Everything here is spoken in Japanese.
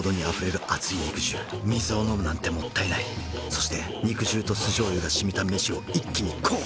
そして肉汁と酢醤油がしみた飯を一気にこう！